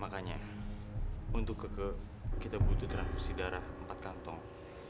makanya untuk kike kita butuh transversi darah empat kantong